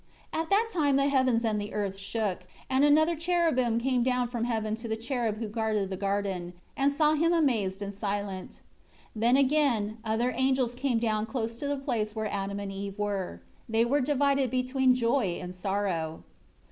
9 At that time the heavens and the earth shook; and another cherubim came down from heaven to the cherub who guarded the garden, and saw him amazed and silent. 10 Then, again, other angels came down close to the place where Adam and Eve were. They were divided between joy and sorrow.